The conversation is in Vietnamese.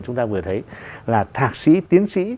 chúng ta vừa thấy là thạc sĩ tiến sĩ